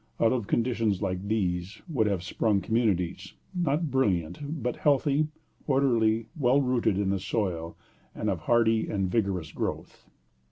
Out of conditions like these would have sprung communities, not brilliant, but healthy, orderly, well rooted in the soil, and of hardy and vigorous growth.